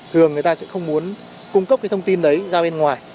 thường người ta sẽ không muốn cung cấp cái thông tin đấy ra bên ngoài